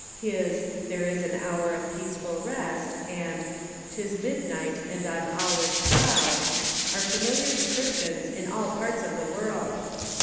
His "There is an hour of i)caceful rest," and " 'Tis midnight, and on Olive's brow," are familiar to Christians in all parts of tbe world.